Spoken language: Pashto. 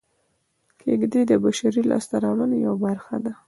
کېږدۍ د بشري لاسته راوړنو یوه برخه ده